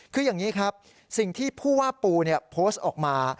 คืออย่างนี้ครับสิ่งที่ผู้ว่าปูโพสต์ออกมา